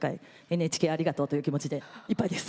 ＮＨＫありがとうという気持ちでいっぱいです。